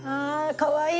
かわいい。